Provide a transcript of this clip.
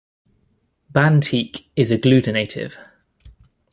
Bantik is agglutinative.